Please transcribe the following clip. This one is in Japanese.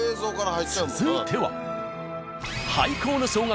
続いては。